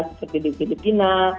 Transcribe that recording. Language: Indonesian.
seperti di filipina